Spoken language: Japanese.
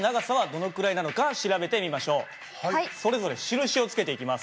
それぞれ印をつけていきます。